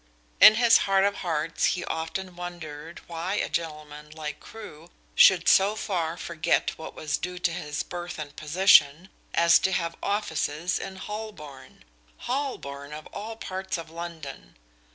In his heart of hearts he often wondered why a gentleman like Crewe should so far forget what was due to his birth and position as to have offices in Holborn Holborn, of all parts of London!